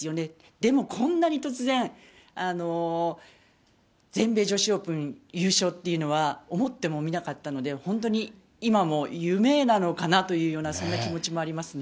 でもこんなに突然、全米女子オープン優勝っていうのは、思ってもみなかったので、本当に今も夢なのかなというような、そんな気持ちもありますね。